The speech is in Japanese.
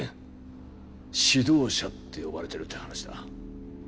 「指導者」って呼ばれてるって話だ。